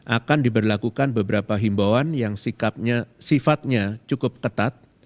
akan diberlakukan beberapa himbauan yang sifatnya cukup ketat